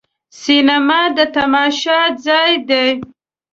سینما د تماشا ځای دی.